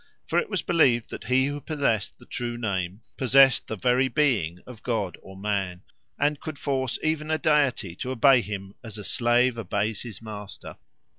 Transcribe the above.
For it was believed that he who possessed the true name possessed the very being of god or man, and could force even a deity to obey him as a slave obeys his master.